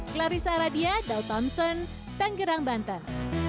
clarissa aradia daud thompson tanggerang banten